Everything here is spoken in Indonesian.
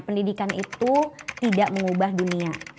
pendidikan itu tidak mengubah dunia